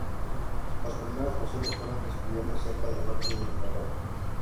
Los primeros fósiles fueron descubiertos cerca del norte de Inglaterra.